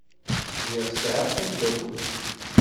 Lliɣ sɛiɣ tamdakelt.